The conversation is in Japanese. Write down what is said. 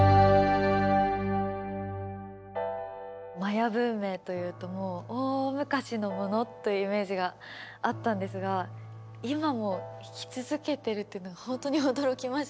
マヤ文明というともう大昔のものというイメージがあったんですが今も生き続けてるっていうのがほんとに驚きました。